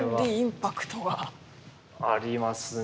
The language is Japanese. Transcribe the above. ありますね。